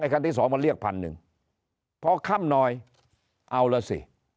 คันที่สองเมื่อเรียกพันต้นหนึ่งเพราะข้ำน้อยเอาแล้วซิ